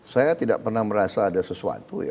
saya tidak pernah merasa ada sesuatu ya